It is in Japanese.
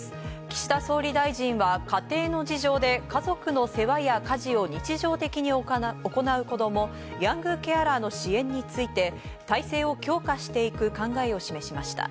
岸田総理大臣は家庭の事情で家族の世話や家事を日常的に行う子供、ヤングケアラーの支援について体制を強化していく考えを示しました。